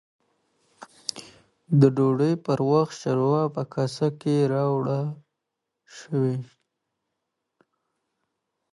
د ډوډۍ پر وخت، شورا په کاسو کې راوړل شوه